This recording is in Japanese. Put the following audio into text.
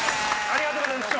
ありがとうございます。